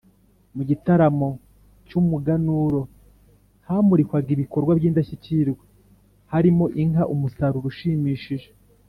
Mu gitaramo cy’umuganuro, hamurikwaga ibikorwa by’indashyikirwa harimo inka, umusaruro ushimishije,